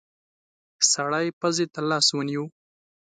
سړی پزې ته لاس ونيو.